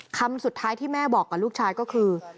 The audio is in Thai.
คำสุดท้ายที่แม่บอกกับลูกชายก็คือ